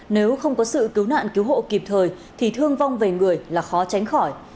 nếu không có sự cứu nạn cứu hộ kịp thời thì thương vong về người là khó tránh khỏi